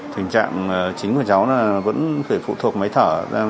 tình trạng chính của cháu là vẫn phải phụ thuộc máy thở ra